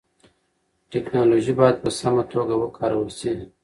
ټیکنالوژي باید په سمه توګه وکارول سي.